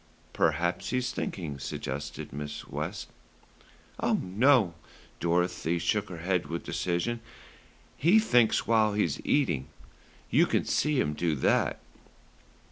"Perhaps he's thinking," suggested Mrs. West. "Oh, no!" Dorothy shook her head with decision. "He thinks while he's eating. You can see him do it.